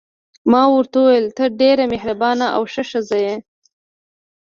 ما ورته وویل: ته ډېره مهربانه او ښه ښځه یې.